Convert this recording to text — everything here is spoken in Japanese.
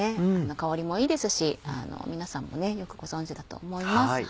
香りもいいですし皆さんもよくご存じだと思います。